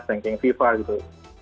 di sengkeng fifa gitu